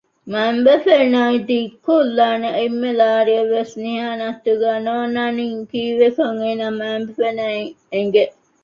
މައިންބަފައިންނަށް ދިއްކޮލާނެ އެންމެ ލާރިއެއްވެސް ނިހާން އަތުގާ ނޯންނަނީ ކީއްވެކަން އޭނާ މައިންބަފައިންނަށް އެނގެ